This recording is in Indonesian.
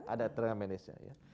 ada tenaga medisnya